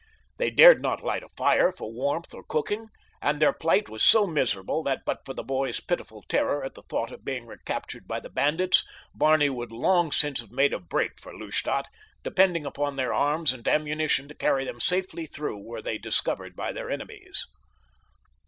They dared not light a fire for warmth or cooking, and their light was so miserable that, but for the boy's pitiful terror at the thought of being recaptured by the bandits, Barney would long since have made a break for Lustadt, depending upon their arms and ammunition to carry them safely through were they discovered by their enemies.